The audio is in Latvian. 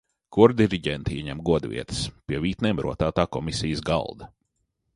Kordiriģenti ieņem goda vietas pie vītnēm rotātā komisijas galda.